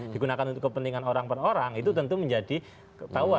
digunakan untuk kepentingan orang per orang itu tentu menjadi ketahuan